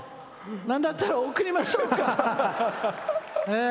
なんだったら送りましょうか？